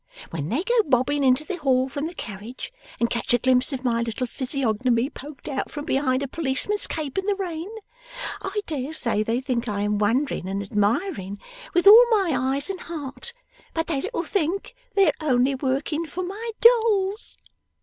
When they go bobbing into the hall from the carriage, and catch a glimpse of my little physiognomy poked out from behind a policeman's cape in the rain, I dare say they think I am wondering and admiring with all my eyes and heart, but they little think they're only working for my dolls!